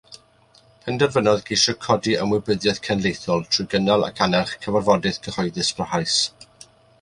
Penderfynodd geisio codi ymwybyddiaeth genedlaethol trwy gynnal ac annerch cyfarfodydd cyhoeddus parhaus.